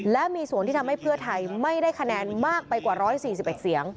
และมีส่วนที่ทำให้เพื่อไทยไม่ได้คะแนนมากไปกว่า๑๔๑เสียง